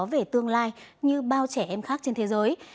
về tương lai như bao trẻ em khác trên thế giới